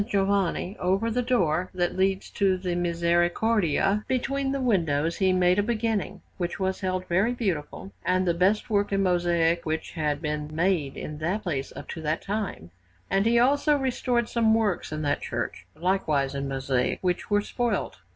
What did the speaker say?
Giovanni, over the door that leads to the Misericordia, between the windows, he made a beginning, which was held very beautiful and the best work in mosaic which had been made in that place up to that time; and he also restored some works in that church, likewise in mosaic, which were spoilt.